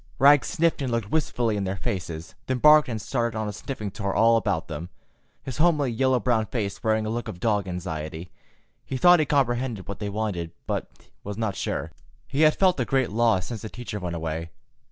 Rags sniffed and looked wistfully in their faces, then barked and started on a sniffing tour all about them, his homely yellow brown face wearing a look of dog anxiety. He thought he comprehended what they wanted, but was not sure. He had felt a great loss since the teacher went away.